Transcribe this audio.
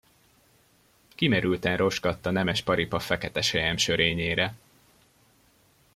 Kimerülten roskadt a nemes paripa fekete selyem sörényére.